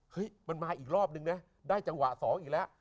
เฮ้ยมันมาอีกรอบนึงนะได้จังหวะ๒อีกแล้ว